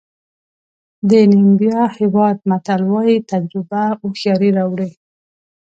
د نیمبیا هېواد متل وایي تجربه هوښیاري راوړي.